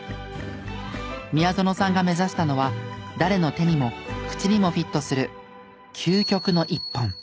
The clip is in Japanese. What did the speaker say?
宮薗さんが目指したのは誰の手にも口にもフィットする。